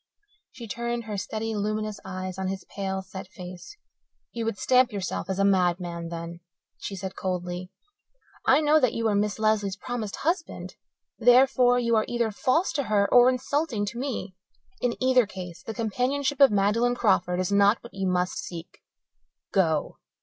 She turned her steady luminous eyes on his pale, set face. "You would stamp yourself as a madman, then," she said coldly. "I know that you are Miss Lesley's promised husband. Therefore, you are either false to her or insulting to me. In either case the companionship of Magdalen Crawford is not what you must seek. Go!"